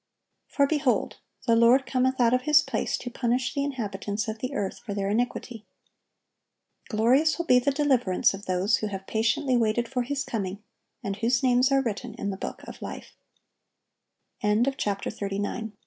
For, behold, the Lord cometh out of His place to punish the inhabitants of the earth for their iniquity."(1090) Glorious will be the deliverance of those who have patiently waited for His coming, and whose names are written in the book of